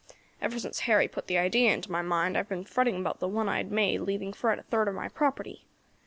Ever since Harry put the idea into my mind I have been fretting about the one I had made leaving Fred a third of my property.